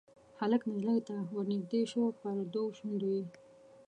هلک نجلۍ ته ورنیژدې شو پر دوو شونډو یې